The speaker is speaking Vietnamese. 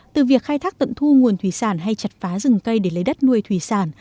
từ việc khai thác tận thu nguồn thủy sản hay chặt phá rừng cây để lấy đất nuôi thủy sản